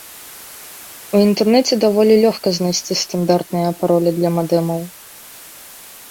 У інтэрнэце даволі лёгка знайсці стандартныя паролі для мадэмаў.